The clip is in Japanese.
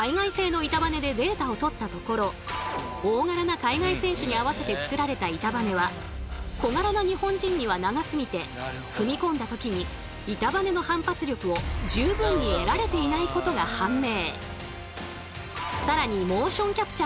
大柄な海外選手に合わせて作られた板バネは小柄な日本人には長すぎて踏み込んだ時に板バネの反発力を十分に得られていないことが判明。